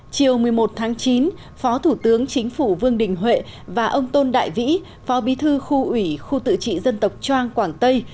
chiều một mươi một tháng chín phó thủ tướng chính phủ vương đình huệ và ông tôn đại vĩ phó bí thư khu ủy khu tự trị dân tộc trang quảng tây